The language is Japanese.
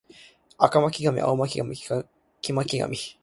赤巻上青巻紙黄巻紙